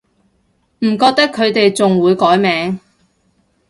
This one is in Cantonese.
唔覺得佢哋仲會改名